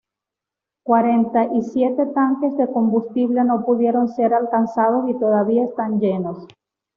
Cuarenta y siete tanques de combustible no pudieron ser alcanzados y todavía están llenos.